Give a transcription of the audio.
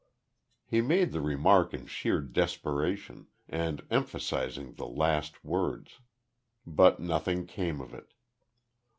He made the remark in sheer desperation, and emphasising the last words. But nothing came of it.